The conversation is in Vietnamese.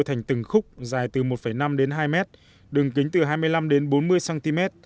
thành từng khúc dài từ một năm đến hai mét đường kính từ hai mươi năm đến bốn mươi cm